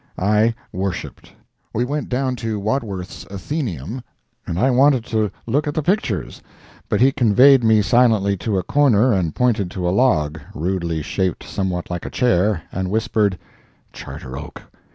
I worshipped. We went down to Wadworth's Atheneum, and I wanted to look at the pictures, but he conveyed me silently to a corner and pointed to a log, rudely shaped somewhat like a chair, and whispered, "Charter Oak."